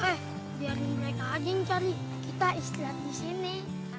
eh biarin mereka aja yang cari kita istilah disini